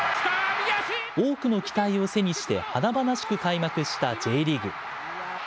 多くの期待を背にして、華々しく開幕したＪリーグ。